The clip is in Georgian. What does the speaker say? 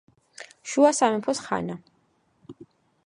შუა სამეფოს ხანა.